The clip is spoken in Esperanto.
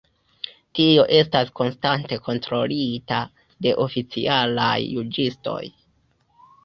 Tio estas konstante kontrolita de oficialaj juĝistoj.